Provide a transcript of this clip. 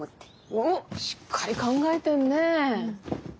おっしっかり考えてんね。